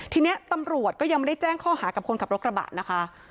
ทีนี้ตำรวจก็ยังไม่ได้แจ้งข้อหากับคนขับรถกระบะนะคะ